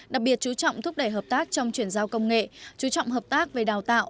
đặc biệt chú trọng thúc đẩy hợp tác trong chuyển giao công nghệ chú trọng hợp tác về đào tạo